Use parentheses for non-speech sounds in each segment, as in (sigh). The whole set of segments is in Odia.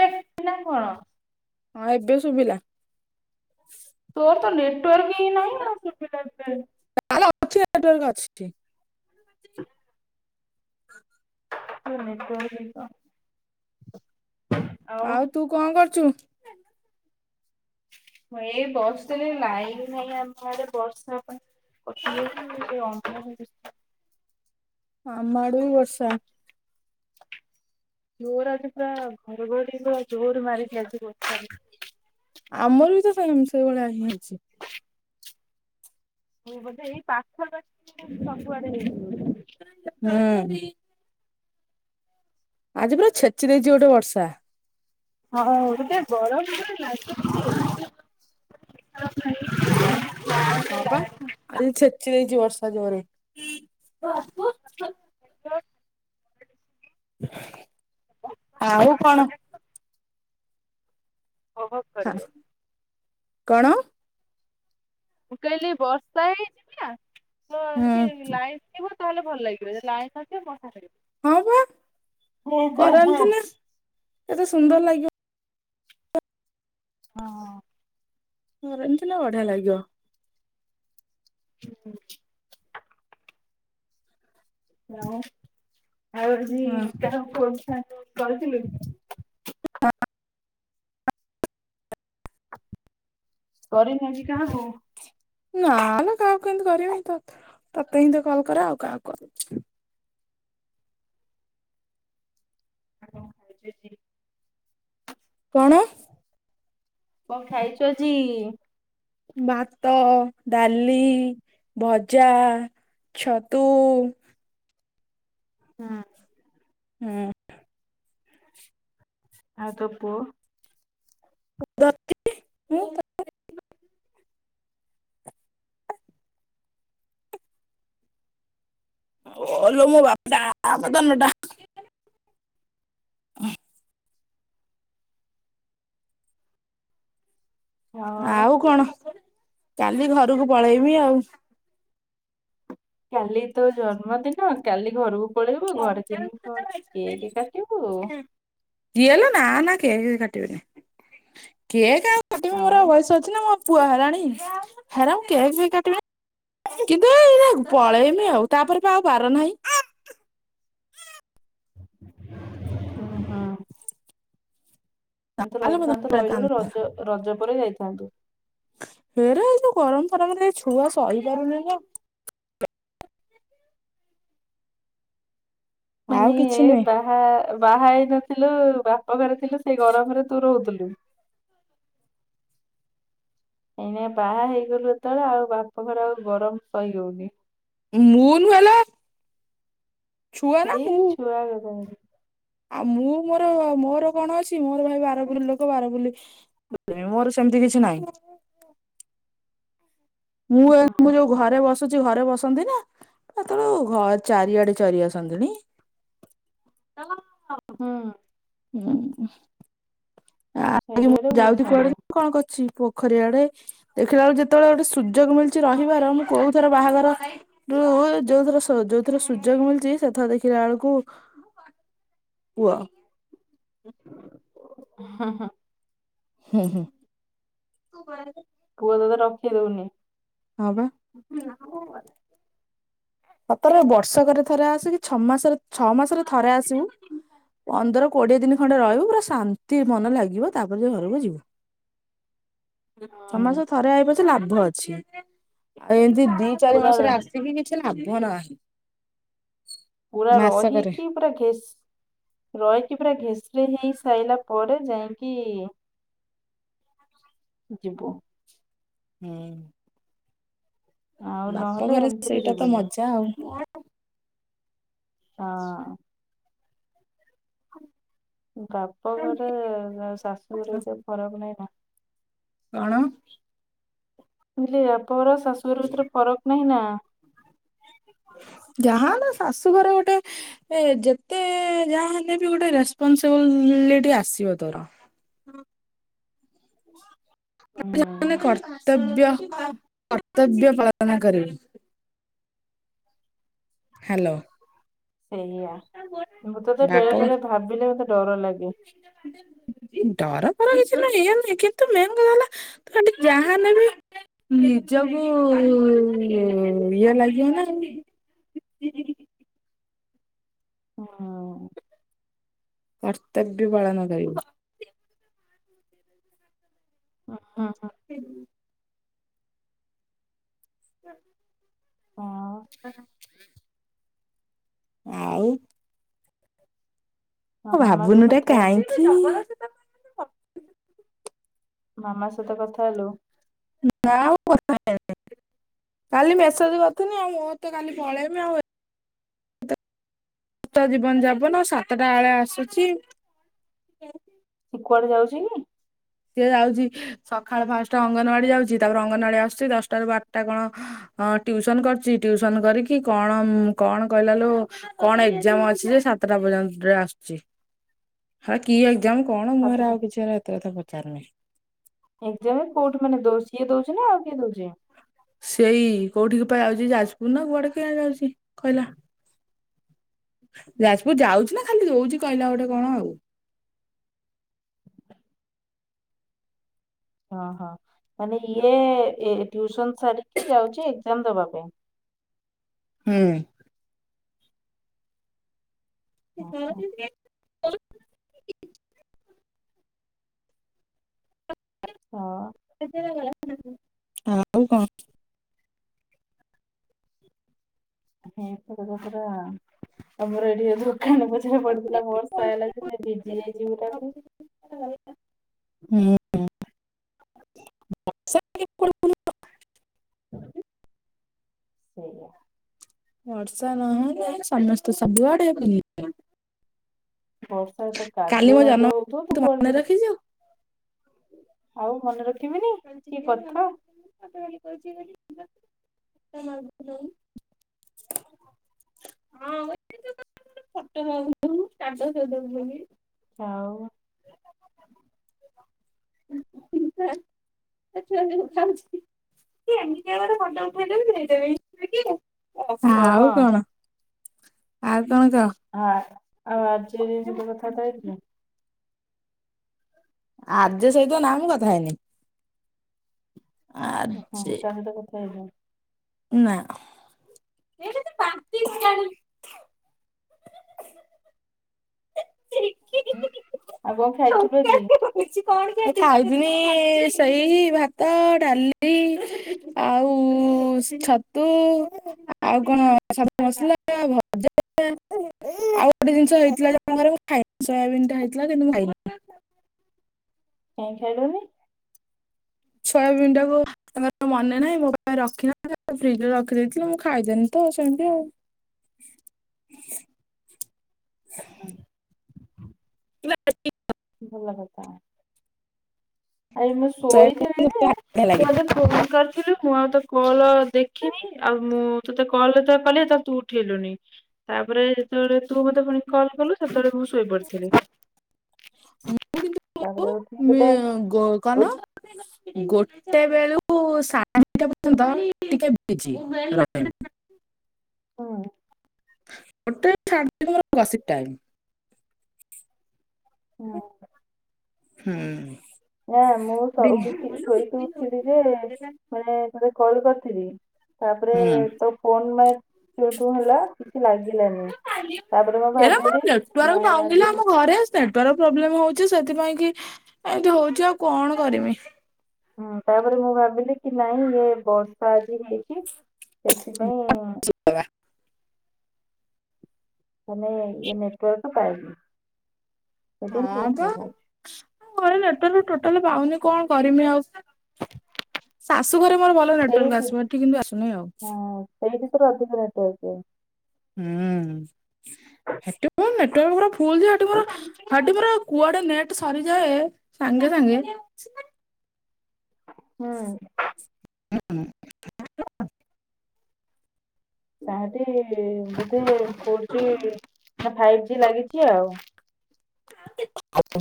ଦେଖ୍ ନା କଣ ହଁ ଏବେ ଶୁବିଲା। ତୋର ତ ନେଟୱାର୍କ ହିଁ ନାହିଁ ଆଉ ଶୁବିଲାନି କାଇଁ। ହାଲୋ ଅଛି ନେଟୱାର୍କ ଅଛି। (inaudible) ଏ ନେଟୱର୍କ ହିଁ ତ (unintelligible) ଆଉ ତୁ କଣ କରୁଚୁ? ମୁଁ ଏଇ ବସିଥିଲି ଲାଇନ୍ ନାହିଁ ଆମ ଆଡେ ବର୍ଷା ପାଇଁ। ବର୍ଷା ହଉଚି (unintelligible) ଆମ ଆଡେ ବିି ବର୍ଷା। ଜୋର ଆଜି ପୁରା ଘଡଘଡି ପୁରା ଜୋର ମାରିଚି ଆଜି ବର୍ଷାରେ। ଆମର ବି ତ ସେମ୍ ସେଇଭଳିଆ ହିଁ ମାରିଚି। ହୁଁ ବୋଧେ ଏଇ ପାଖା ପାଖି ସବୁଆଡେ ହେଇଚି (inaudible) ହୁଁ ହୁଁ। (unintelligible) ଆଜି ପୁରା ଛେଚି ଦେଇଚି ଗୋଟେ ବର୍ଷା। ହୋଉ ଦେଖିଆ ବରଫରେ (unintelligible) ହଁ ପା ଆଜି ଛେଚି ଦେଇଚି ବର୍ଷା ଜୋରେ। (inaudible) ଆ ଆଉ କଣ? ପାଗଟା ଉପଭୋଗ ହଁ କରିବ। କଣ? ମୁଁ କହିଲି ବର୍ଷା ହେଇଛି ନା ତ ହୁଁ ଏଠି ଲାଇ ବୁ ତାହେଲେ ଭଲ ଲାଗିବ ଯଦି ଲାଇନ୍ ନ ଥିବ (unintelligible) ହଁ ବା କରନ୍ତି ନା କେତେ ସୁନ୍ଦର ଲାଗିବ। ହଁ। କରନ୍ତୁ ନା ବଢିଆ ଲାଗିବ। ହୁଁ। ହଁ ଆଉ ଯି ହଁ କାହାକୁ କହୁ କହିଥିଲୁ କରିନ କି କାହାକୁ? ନା ନା କାହାକୁ କେମିତି କରିବି ତତେ ହିଁ ତ କଲ୍ କରେ ଆଉ କାହାକୁ କରେ। (unintelligible) କଣ? କଣ ଖାଇଛୁ ଆଜି? ଭାତ ଡାଲି ଭଜା ଛତୁ ହୁଁ। ହୁଁ। ଆଉ ତୋ ପୁଅ? (unintelligible) ଓଲୋ ମୋ ବାପା ଟା ମୋ ଧନ ଟା। ଅ (unintelligible) ହଁ ଆଉ କଣ କାଲି ଘରକୁ ପଳେଇବି ଆଉ। କାଲି ତୋ ଜନ୍ମଦିନ କାଲି ଘରକୁ ପଳେଇବୁ ଘରେ ଯାଇକି କଣ କେକ୍ କାଟିବୁ? ଏଲ ନା ନା କେକ କାଟିବେନି କେକ୍ ଆ ଆଉ। ହୁଁ ବୟସ ଅଛି ନା ମୋ ପୁଅ ହେଲାଣୀ ହେରା କେକ୍ ଫେକ୍ କାଟିବେ କିନ୍ତୁ ଏଇ ପଳେଇମି ଆଉ ତାପରେ ପା ଆଉ ବାର ନାହିଁ। ଓ ହଁ। ଏ ତ ଆଲୋ ମୋ ରହିଥାନ୍ତୁ ଧନ କାନ୍ଦ ରହିଲୁଣି ରଜ ରଜ ପରେ ଯାଇଥାନ୍ତୁ। ହେଲେ ଏତେ ଗରମ ଫରମରେ ଏ ଛୁଆ ସହିପାରୁନି ନା। ଆଉ ମାନେ କିଛି ନୁହେଁ ବାହା ବାହା ହେଇନଥିଲୁ ବାପ ଘରେ ଥିଲୁ ସେ ଗରମରେ ତୁ ରହୁଥିଲୁ ଏଇନା ବାହା ହେଇଗଲୁ ତ ଆଉ ବାପଘର ଆଉ ଗରମ ସହିହେଉନି। ମୁଁ ନୁହେଲୋ ସେଇ ମୁଁ ଛୁଆ (unintelligible) ଆଉ ମୁଁ ମୋର ମୋର କଣ ଅଛି ମୋର ଭାଇ ବାର ବୁଲି ଲୋକ ବାରବୁଲି ମୋର ସେମିତି କିଛି ନାହିଁ। ମୁଁ ଏ ହୁଁ ମୁଁ ଯୋଉ ଘରେ ବସୁଛି ଘରେ ବସନ୍ତି ନା ଏତେଳୁ ଘର ଚାରିଆଡେ ଚରି ଆସନ୍ତିଣି। ହୁଁ। ହୁଁ। ଆଉ ଚାରିଆଡେ ମୁଁ ଯାଉଛିି ବୁଲୁଥାନ୍ତୁ। କୁଆଡେ କଣ କରଛି ପୋଖରୀଆଡେ ଦେଖିଲା ବେଳେ ଯେତେବେଳେ ଗୋଟେ ସୁଯୋଗ ମିଳୁଛି ରହିବାର ମୁଁ କୋଉ ଥର ବାହାଘର ନାହିଁ ଯଉ ଯଉଥର ସ- ଯଉଥର ସୁଯୋଗ ମିଳିଚି ସେଥର ଦେଖିଲା ବେଳକୁ କୁଅ। ହଁ- ହଁ। ହୁଁ- ହୁଁ। ପୁଅ ତତେ ରଖେଇ ଦଉନି। ହଁ ପା। ତାପରେ ବର୍ଷକରେ ଥରେ ଆସେ କି ଛଅ ମାସରେ- ଛଅ ମାସରେ ଥରେ ଆସିବୁ ପନ୍ଦର କୋଡିଏ ଦିନି ଖଣ୍ଡେ ରହିବୁ ପୁରା ଶାନ୍ତି ମନ ଲାଗିବ ତାପରେ ଯାଇକି ଘରକୁ ଯିବୁ। (unintelligible) ଛଅ ମାସରେ ଥରେ ଆଇ ପଛେ ଲାଭ ଅଛି ଆ ଏମତି ଦି ଚାରି ପୁରା ମାସରେ ଆସିକି କି କିଛି ଲାଭ ନାହିଁ। ପୁରା ରହି ମାସକରେ। କିି ପୁରା ଘେସ୍ ରହିକି ପୁରା ଘେସ୍ ରି ହେଇ ସାଇଲା ପରେ ଯାଇଁକି ଯିବୁ। ହୁଁ। ଆଉ ବାପ ନହେଲେ ଘରେ ଏମିତିରେ ସେଇଟା ତ ଯିବୁନି ମଜା ଆଉ। ହଁ। ବାପଘରେ ଶାଶୁଘରେ ଏତେ ଫରକ୍ ନାହିଁ ନା। କଣ? ମୁଁ କହିଲି ବାପଘର ଶାଶୁଘର ଭିତରେ ଫରକ୍ ନାହିଁ ନା। ଯାହାହେଲେ ଶାଶୁ ଘରେ ଗୋଟେ ଏ ଯେତେ ଯାହା ହେଲେ ବି ଗୋଟେ ରେପନ୍ସବିଲିଟି୍ ଆସିବ ତୋର। (inaudible) (inaudible) ହୁଁ ମାନ କର୍ତ୍ତବ୍ୟ -କର୍ତ୍ତବ୍ୟପାଳନ କରିବେ। ହାଲୋ। ସେଇଆ ମୁଁ ତତେ ବାପ ବେଳେ ବେଳେ ଭାବିଲେ ମତେ ଡର ଲାଗେ। ଡର ଫର କିଛି ନାହଁ ଏମିତି କିନ୍ତୁ ମେନ୍ କଥା ହେଲା ଖାଲି ଯାହା ନେବି ନିଜକୁୁ ଇଏ ଲାଗିବ ନା। (unintelligible) ହୁଁ କର୍ତ୍ତବ୍ୟ ପାଳନ କରିବୁ। (inaudible) (inaudible) (inaudible) ଆଉ (inaudible) ଆଉ। ଆଉ ହଁ ମାମା କୁ ଭାବୁନୁ ଏଟା କଥା ହେଲୁ କାଇଁକି। ମାମା ସହିତ କଥା ହେଲୁ। ନା ମୁଁ କଥା ହେଇନି। କାଲି ମେସେଜ୍ କରିଥିନି ଆଉ ମୁଁ ତ କାଲି ପଳେଇବି ଆଉ ଏ ଏଇତ ଜୀବନ ଯାପନ ସାତଟା ବେଳେ ଆସୁଚି। ସେ କୁଆଡେ ଯାଉଚି କି? ସିଏ ଯାଉଚି ସଖାଳେ ପାଞ୍ଚଟା ଅଙ୍ଗନୱାଡି ଯାଉଚି। ତାପରେ ଅଙ୍ଗନୱାଡି ଆସୁଚି ଦଶଟା ର ବାର୍ ଟା କଣ ହଁ ଟ୍ୟୁସନ୍ କରୁଚି ଟିଉସନ୍ କରିକି କଣ -କଣ କହିଲା ଲୋ କଣ ଏକ୍ଜାମ୍ ଅଛି ଯେ ସାତଟା ପର୍ଯ୍ୟନ୍ତରେ ଆସୁଚି। ହେ କି ଏକ୍ଜାମ କଣ ମୁଁ ହେରା ସାଥିରେ ଆଉ କିଛି ହେରା ଏତେ କଥା ପଚାରୁନି। ଏକ୍ଜାମ୍ କୋଉଠି ମାନେ ଦଉଚି ସିଏ ଦଉଚି ନା ଆଉ କିଏ ଦଉଚି? ସେଇ କୋଉଠି କି ପା ଯାଉଚି ଯାଜପୁର ନା କୁଆଡେ କେଜାଣି ଯାଉଚି କହିଲା। ଯାଜପୁର ଯାଉଚି ନା ଖାଲି ରହୁଚି କହିଲା ଗୋଟେ କଣ ଆଉ। ହଁ ହଁ ମାନେ ଇଏ ଏ ଟିଉସନ୍ ସାରିକି ଯାଉଚି ଏକ୍ଜାମ୍ ଦବା ପାଇଁ। ହୁଁ। ହୁଁ ହୁଁ। (inaudible) ହଁ। (inaudible) ଆଉ କଣ। (unintelligible) ଧାନ ପଛରେ ପଡିଥିଲା ବର୍ଷା ହେଲା ନାଇଁ ଭିଜି ଯାଇଛି (inaudible) (unintelligible) ହୁଁ। (unintelligible) ସେଇଆ। ବର୍ଷା ନହେଲେ ସମସ୍ତେ ସବୁଆଡେ ବୁଲି ବର୍ଷାରେ ତ କାଲି କାଦୁଅ ମୋ ମାଦୁଆ ଜନ୍ମ ହଉଥିବ ତୁ କୁଆଡ ମନେ ଯିବୁ। ରଖିଛୁ? ଆଉ ମନେ ରଖ (inaudible) (inaudible) ହଁ ଛୋଟ ବାଟବ (unintelligible) ଆଉ। ଛୁଆଦିନୁ ଚାହୁଁ ଛି କି ଏମିତିଆ ଗୋଟେ ଫୋଟୋ ଉଠେଇଦେବି ଦେଇଦେବି କହ ଆଉ ଆ କଣ ଆଉ କଣ କହ? ହଁ ଆଯ ଆଉ ଆର୍ଯ୍ୟ ଦେଇ ସହିତ କଥାବାର୍ତ୍ତା ହେଇଥିଲ? ଆର୍ଯ୍ୟ ସହିତ ନା ମୁଁ କଥା ହେଇନି। ଓ ହଁ ଆଜି ଅଙ୍କିତା ସହିତ କଥା ହେଇଚ? ନା। ଉଁ ଆଉ କଣ ଖାଇଥିଲୁ ଆଜି? ମୁଁ ଖାଇଥିଲି ସେଇ ଭାତ ଡାଲି ଆଉ ସେଇ ଛତୁ ଆଉ କଣ ସତୁ ମସଲା ଭଜା ଆଉ ଗୋଟେ ଜିନିଷ ହେଇଥିଲା ଯେ ଆମ ଘରେ ମୁଁ ଖାଇନି ସୋୟାବିନ୍ ଟା ହେଇଥିଲା ଯେ କିନ୍ତୁ ମୁଁ ଖାଇନି। (inaudible) କାଇଁ ଖାଇଲନି? ସୋୟାବିନ୍ ଟାକୁ ତାଙ୍କର ମନେ ନାହିଁ ମୋ ପାଇଁ ରଖିନାହାଁନ୍ତି ଫ୍ରିଜରେ ରଖିଦେଇଥିଲୁ ମୁଁ ଖାଇଦେନି ତ ସେମିତି ଆଉ। (inaudible) (unintelligible) ଭଲ କଥା ଆଜି ମୁଁ ସୋୟାବିନ୍ ଶୋଇଥିଲି ମତେ ଯେ ଭାରି ବଢିଆ ତୁ ଲାଗେ ମତେ ଫୋନ କରିଥିଲୁ ମୁଁ ଆଉ ତୋ କଲ୍ ଦେଖିନି ଆଉ ମୁଁ ତତେ କଲ୍ ଯେତେବେଳେ କଲି ସେତବେଳେ ତୁ ଉଠେଇଲୁନି। ତାପରେ ଯେତେବେଳେ ତୁ ମତେ ପୁଣି କଲ୍ କଲୁ ସେତେବେଳେ ମୁଁ ଶୋଇପଡିଥିଲି। ମୁଁ କିନ୍ତୁ ତାପରେ ଉଠିକି ତତେ ଉଁ (unintelligible) ଗୋଟେ ବେଳୁ ସାଢେ ଦିଟା ପର୍ଯ୍ୟନ୍ତ ଟିକେ ବିଜି ହୁଁ। ଗୋଟେ ରୁ ସାଢେ଼ ଦିଟା ମୋର ଗସିପ ଟାଇମ୍। ହଁ। ହୁଁ। ନାଁ ମୁଁ ଶଇକି ଶୋଇକି ଉଠିଲି ଯେ ମାନେ ତୋତେ କଲ୍ କରିଥିଲି। ତାପରେ ହୁଁ ତୋ ଫୋନ ମାନେ ଟୁଁ ଟୁଁ ହେଲା। କିଛି ଲାଗିଲାନି ତାପରେ ମୁଁ ଏରା ମୋର ଭାବିଲି ନେଟୱାର୍କ ନାଇଁ ପାଉନିଲା ଆଜି ଆମ ଘରେ ନେଟୱାର୍କ ପ୍ରୋବ୍ଲେମ ହଉଛି ସେଥିପାଇଁ କି ଏମତି ହଉଛି ଆଉ କଣ କରିମି। ହୁଁ ତାପରେ ମୁଁ ଭାବିଲି କି ନାଇଁ ଇଏ ବର୍ଷା ଆଜି ହେଇଚି। ସେଥିପାଇଁ (inaudible) ତାନେ ଏ ନେଟୱର୍କ ପାଇନି। ସେଥିପାଇଁ ତୁ ହଁ ବା ଉଠିଲା ହଉ ଘରେ ନେଟୱର୍କ ଟୋଟାଲ ପାଉନି କଣ କରିମି ଆଉ? ଶାଶୁଘରେ ମୋର ଭଲ ନେଟୱାର୍କ ଆସିବ ଏଠି କିନ୍ତୁ ଆସୁନି ଆଉ। ସେଇ ଭିତରୁ ଅଧିକ ନେଟୱର୍କ। ହୁଁ ହେଠୁମୋର ନେଟୱର୍କ ପୁରା ଫୁଲ୍ ଯେ ହେଠୁ ମୋର ହେଠି ପୁରା କୁଆଡେ ନେଟ୍ ସରିଯାଏ ସାଙ୍ଗେ ସାଙ୍ଗେ। ହୁଁ। ହୁଁ ହୁଁ (inaudible) ତାହେଲେ ବୋଧେ ଫୋର ଜି ନା ଫାଇଭ୍ ଜି ଲାଗିଚି ଆଉ।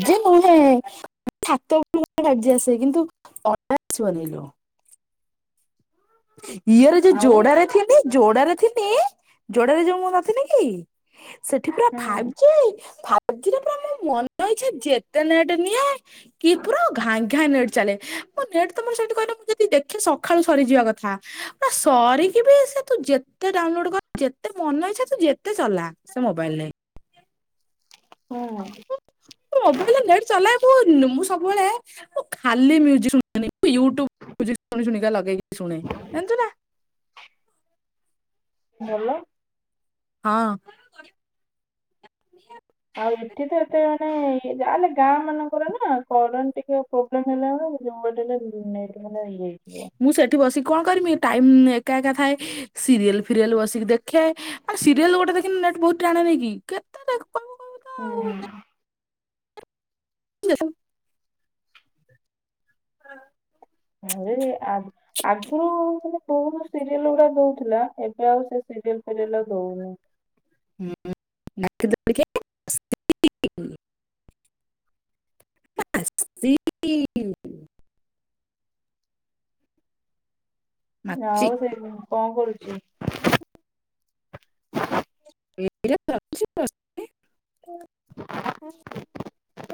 ଯେ ନୁହେଁ ହାତ ଉ (inaudible) ଆଜି ଆସେ କିନ୍ତୁ ହଟାତ୍ ବନେଇଲୁ। ଇଏରେ ଯୋ ଆଉ ଯୋଡାରେ ଥିନି ଯୋଡାରେ ଥିନି ଯୋଡାରେ ଯୋଉ ମୁଁ ନଥିନି କି? ସେଠି ପୁରା ହୁଁ ଫାଇଭ ଜି ଫା ଆଜିରେ ପରା ମୁଁ ମନ ଇଛା ଯେତେ ନେଟେ ନିଏ। କି ପୁରା ଘାଁ ଘାଁ ନେଟ୍ ଚାଲେ ମୋ ନେଟ୍ ତ ମୋର ସେଇଠି କହିଲା ମୁଁ ଯଦି ଦେଖି ସକାଳୁ ସରିଯିବା କ ହା ସରିକିବି ସେ ତୁ ଯେତେ ଡାଉନଲୋଡ ଯେତେ ମନ ହେଇ ସେ ତୁ ଯେତେ ଚଲା। ସେ ମୋବାଇଲ ନେ। ହୁଁ। ମୋବାଇଲ ନେଟ୍ ଚଲାଏ ମୁଁ ସବୁବେଳେ ମୁଁ ଖାଲି ମ୍ୟିଜୁକ୍ ଶୁଣେନି। ୟୁୁ ଟୁବ ଶୁଣି ଶୁଣିକା ଲଗେଇକି ଶୁଣେ ଯାଚୁନା। ଭଲ। ହଁ। ଆଉ ଏଠିତ ଏତେ। ନାଇଁ ଯା ହେଲେ ଗାଁ ମାନଙ୍କର ନା କରନ୍ତି ଟିକେ ପ୍ରୋବ୍ଲେମ ହେଲେ (inaudible) ଭିନେ। ମାନେ ଇଏ। ହେଇଯିବ। ମୁଁ ସେଠି ବସିିକି କଣ କରିମି ଟାଇମ୍ ଏକା ଏକା ଥାଏ। ସିରିଏଲ ଫିରିଏଲ ବସିକି ଦେଖେ ଆ ସିରିଏଲ ଗୋଟେ ଦେଖ ନେଟ୍ ବହୁତ୍ ଟାଣେ ନେଇକି କେତେ ଦେଖ। କହିବୁ ତ ଆଉ ହୁଁ। (unintelligible) ହଁ। ହେଲେବି ଆ ଆଗରୁ ମାନେ। ବହୁ ସିରିଏଲ ଗୁଡା ଦଉଥିଲା ଏବେ ଆଉ ସେ ସିରିଏଲ ଫିରିଏଲ ଆଉ ଦଉନି। ହୁଁ ନାକେ ଦଉଡି କେ। (unintelligible) ସି କି ୟୁ। ଆଉ ସେ କଣ କରୁଚୁ? ଏଇରା ତ? ଛିଅସ୍ (inaudible)